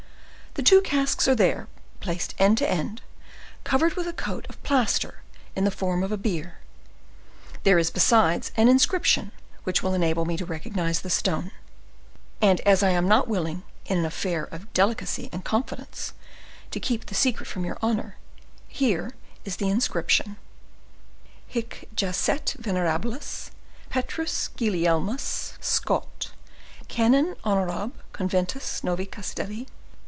The two casks are there, placed end to end, covered with a coat of plaster in the form of a bier. There is, besides, an inscription, which will enable me to recognize the stone; and as I am not willing, in an affair of delicacy and confidence, to keep the secret from your honor, here is the inscription:—'Hic jacet venerabilis, Petrus Gulielmus Scott, Canon Honorab. Conventus Novi Castelli.